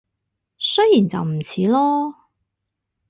雖然就唔似囉